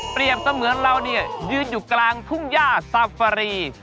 เสมือนเราเนี่ยยืนอยู่กลางทุ่งย่าซาฟารี